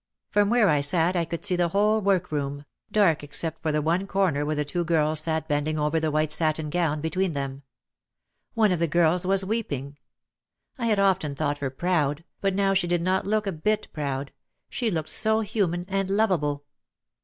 From where I sat I could see the whole workroom, dark except for the one corner where the two girls sat bending over the white satin gown between them. One of the girls was weeping. I had often thought her proud, but now she did not look a bit proud, she looked so human and loveable.